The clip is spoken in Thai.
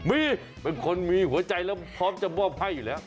มีเป็นคนมีหัวใจแล้วพร้อมจะมอบให้อยู่แล้ว